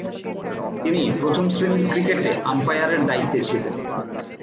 তিনি প্রথম-শ্রেণীর ক্রিকেটে আম্পায়ারের দায়িত্বে ছিলেন।